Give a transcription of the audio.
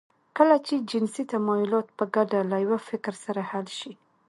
کله چې جنسي تمايلات په ګډه له يوه فکر سره حل شي.